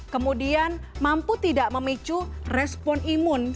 kemudian mampu tidak memicu respon imun